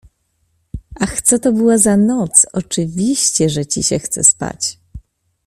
Ach, co to była za noc! Oczywiście, że ci się chce spać.